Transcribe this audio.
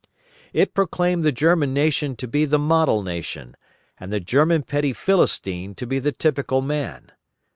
It proclaimed the German nation to be the model nation, and the German petty Philistine to be the typical man.